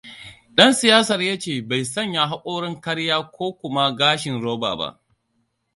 Ɗan siyasar ya ce bai sanya haƙorin ƙarya ko kuma gashin roba ba.